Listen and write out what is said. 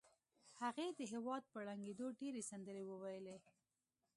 هغې د هېواد په ړنګېدو ډېرې سندرې وویلې